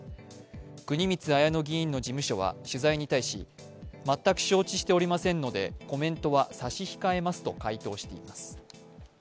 国光文乃議員の事務所は、取材に対し全く承知しておりませんのでコメントは差し控えますと回答しています。